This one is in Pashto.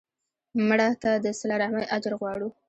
مړه ته د صله رحمي اجر غواړو